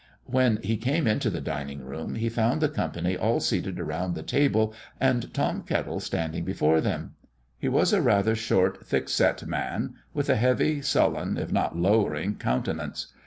When he came into the dining room, he found the company all seated around the table, and Tom Kettle standing before them. He was a rather short, thick set man, with a heavy, sullen, if not lowering countenance.